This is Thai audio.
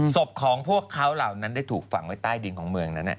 ศพของพวกเขาเหล่านั้นได้ถูกฝังไว้ใต้ดินของเมืองนั้น